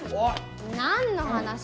何の話？